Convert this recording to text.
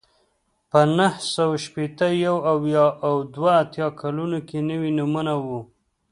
په نهه سوه شپېته، یو اویا او دوه اتیا کلونو کې نوي نومونه وو